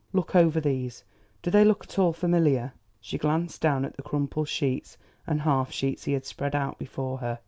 "Look over these. Do they look at all familiar?" She glanced down at the crumpled sheets and half sheets he had spread out before her.